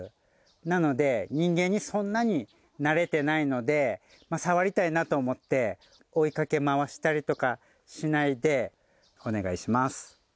なので、人間にそんなになれてないので、触りたいなと思って、追いかけまわしたりとかしないで、お願いします。